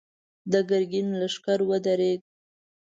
د ګرګين لښکر ودرېد.